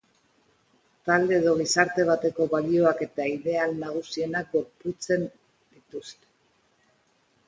Talde edo gizarte bateko balioak eta ideal nagusienak gorpuzten dituzte.